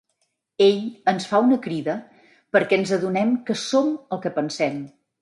Ell ens fa una crida perquè ens adonem que "som el que pensem".